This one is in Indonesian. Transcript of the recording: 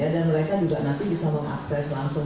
dan mereka juga nanti bisa mengakses langsung